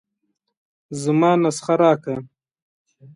زما نسخه راکه.